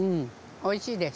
おいしいです。